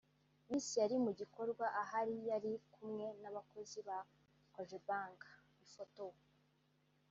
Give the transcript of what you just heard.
Miss yari muri iki gikorwa ahari yari kumwe n’abakozi ba Cogebank/ifoto